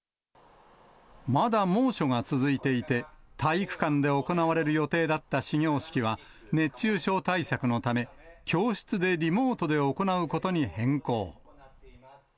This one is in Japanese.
まだ猛暑が続いていて、体育館で行われる予定だった始業式は、熱中症対策のため、教室でリモートで行うことに変更。